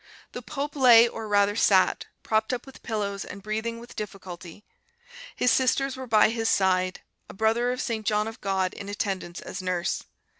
The pope lay, or rather sat, propped up with pillows and breathing with difficulty; his sisters were by his side, a Brother of St. John of God in attendance as nurse.